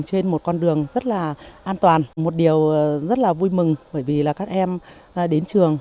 trên một con đường rất là an toàn một điều rất là vui mừng bởi vì là các em đến trường